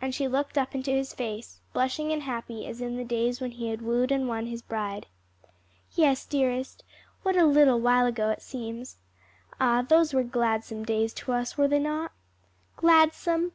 And she looked up into his face, blushing and happy as in the days when he had wooed and won his bride. "Yes, dearest; what a little while ago it seems! Ah, those were gladsome days to us; were they not?" "Gladsome?